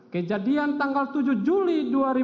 kejadian tanggal tujuh juli dua ribu dua puluh